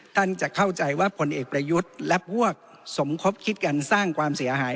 ท่านจะเข้าใจว่าผลเอกประยุทธ์และพวกสมคบคิดกันสร้างความเสียหาย